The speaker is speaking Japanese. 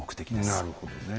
なるほどねえ。